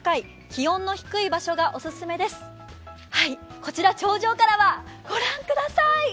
こちら頂上からは、御覧ください。